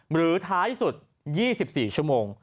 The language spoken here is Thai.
หรือท้ายสุด๒๔ชั่วโมง